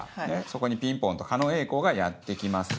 そこにピンポンと狩野英孝がやって来ます。